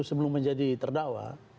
sebelum menjadi terdakwa